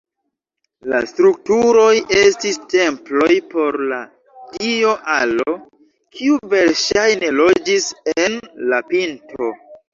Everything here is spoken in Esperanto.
La strukturoj estis temploj por la dio Alo, kiu verŝajne loĝis en la pinto.